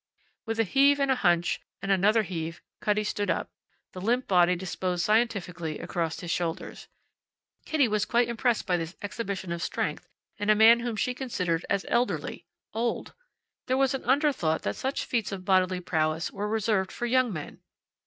With a heave and a hunch and another heave Cutty stood up, the limp body disposed scientifically across his shoulders. Kitty was quite impressed by this exhibition of strength in a man whom she considered as elderly old. There was an underthought that such feats of bodily prowess were reserved for young men.